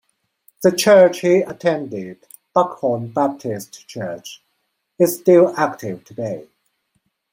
The church he attended, Buckhorn Baptist Church, is still active today.